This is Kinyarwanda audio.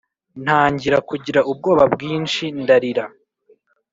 ntangira kugira ubwoba bwinshi ndarira.